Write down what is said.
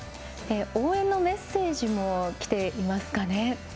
応援のメッセージもきています。